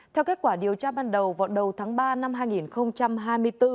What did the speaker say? theo kết quả điều tra ban đầu vào đầu tháng ba năm hai nghìn hai mươi bốn